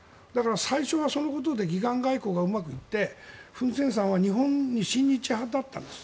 最初はそのことで義眼外交がうまくいってフン・センさんは親日派だったんです。